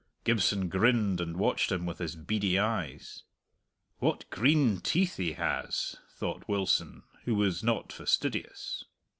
Gibson grinned and watched him with his beady eyes. "What green teeth he has!" thought Wilson, who was not fastidious.